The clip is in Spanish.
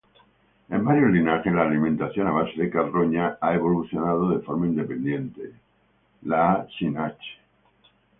En varios linajes la alimentación a base de carroña a evolucionado de forma independiente.